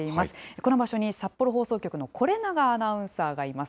この場所に札幌放送局の是永アナウンサーがいます。